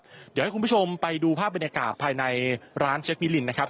เดี๋ยวให้คุณผู้ชมไปดูภาพบรรยากาศภายในร้านเช็คมิลินนะครับ